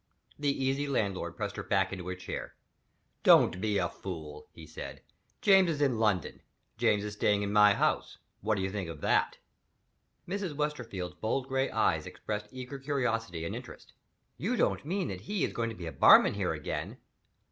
The easy landlord pressed her back into her chair. "Don't be a fool," he said; "James is in London James is staying in my house. What do you think of that?" Mrs. Westerfield's bold gray eyes expressed eager curiosity and interest. "You don't mean that he is going to be barman here again?"